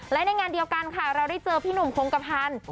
และในงานเดียวกันค่ะเราได้เจอพี่หนุ่มคงกระพันธ์